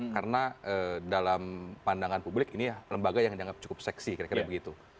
karena dalam pandangan publik ini ya lembaga yang dianggap cukup seksi kira kira begitu